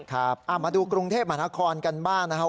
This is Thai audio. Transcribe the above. ครับมาดูกรุงเทพฯมหาคลกันบ้างนะฮะ